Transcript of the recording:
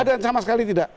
ada yang sama sekali tidak